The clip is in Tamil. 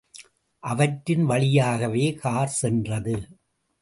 அவற்றின் வழியாகவே கார் சென்றது.